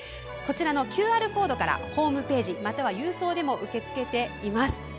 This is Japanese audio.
ＱＲコードからホームページまたは郵送でも受け付けています。